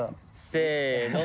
せの。